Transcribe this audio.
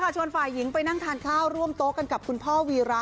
ชวนฝ่ายหญิงไปนั่งทานข้าวร่วมโต๊ะกันกับคุณพ่อวีระ